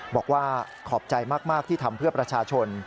บอกว่าขอบใจมากที่ทำเพื่อประชาชน